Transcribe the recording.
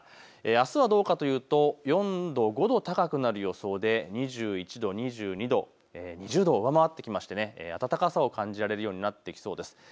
あすはどうかというと４度、５度高くなる予想で２１度、２２度、２０度を上回ってきて暖かさを感じられそうになってきそうです。